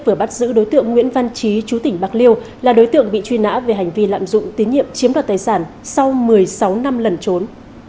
vừa bắt giữ đối tượng nguyễn văn trí chú tỉnh bạc liêu là đối tượng bị truy nã về hành vi lạm dụng tín nhiệm chiếm đoạt tài sản sau một mươi sáu năm lần trốn